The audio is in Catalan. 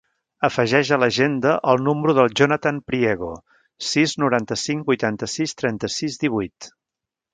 Afegeix a l'agenda el número del Jonathan Priego: sis, noranta-cinc, vuitanta-sis, trenta-sis, divuit.